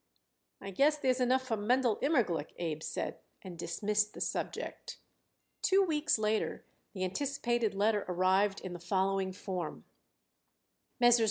"I guess there's enough for Mendel Immerglick," Abe said, and dismissed the subject. Two weeks later the anticipated letter arrived in the following form: MESSRS.